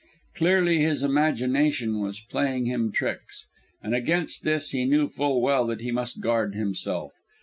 Clearly his imagination was playing him tricks; and against this he knew full well that he must guard himself.